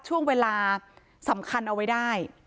ช่วงเวลาสำคัญเอาไว้ได้